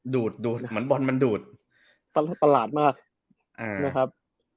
ดูดดูดเหมือนบอลมันดูดตลาดมากอ่านะครับ